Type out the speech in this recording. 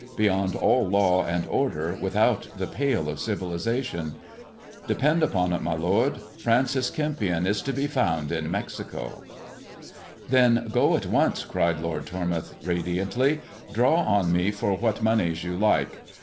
Beyond all law and order, without the pale of civilization. Depend upon it, my lord, Francis Kempion is to be found in Mexico." "Then go at once," cried Lord Tormouth radiantly; 1 THE JESOTT AND THE MEXICAN COIN 298 "draw on me for what moneya you like.